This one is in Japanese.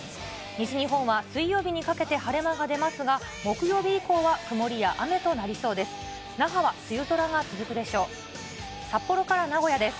西日本は水曜日にかけて晴れ間が出ますが、木曜日以降は曇りや雨となりそうです。